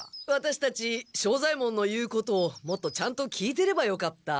ワタシたち庄左ヱ門の言うことをもっとちゃんと聞いてればよかった。